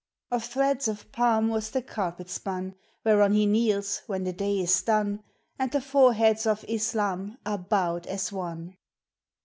Of threads of palm was the carpet spun Whereon he kneels when the day is done, And the foreheads of Islam are bowed as one!